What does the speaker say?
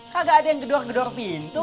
kagak ada yang gedor gedor pintu